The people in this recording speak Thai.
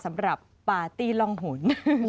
สำหรับปาร์ตี้ล่องหน